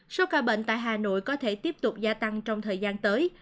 số ca bệnh tại hà nội có thể tiếp tục gia tăng trong thời gian tới